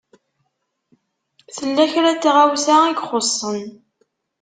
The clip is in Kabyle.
Tella kra n tɣawsa i ixuṣṣen.